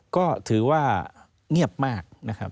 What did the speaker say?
ก็ถือว่าเงียบมาก